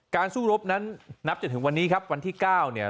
สู้รบนั้นนับจนถึงวันนี้ครับวันที่๙เนี่ย